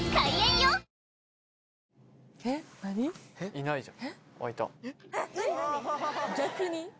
いないじゃん。